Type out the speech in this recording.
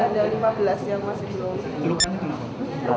tadi elaborasi ada lima belas yang masih belum